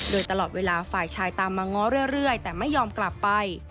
โดยตลอดเวลาฝ่ายชายตามมาง้อเรื่อยแต่ไม่ยอมกลับไป